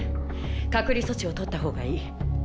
隔離措置をとった方がいい。